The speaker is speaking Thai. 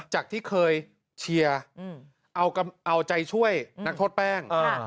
จากที่เคยเชียร์เอาใจช่วยนักโทษแป้ง